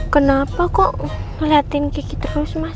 kenapa kok ngeliatin kiki terus mas